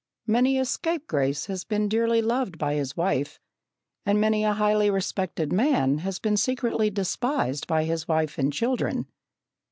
Many a scapegrace has been dearly loved by his wife, and many a highly respected man has been secretly despised by his wife and children.